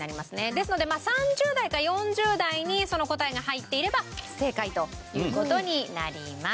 ですので３０代か４０代にその答えが入っていれば正解という事になります。